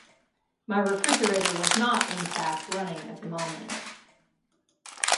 My refrigerator was not in fact running at the moment.